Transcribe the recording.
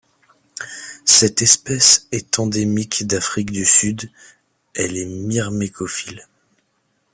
Cette espèce est endémique d'Afrique du Sud, elle est myrmécophile.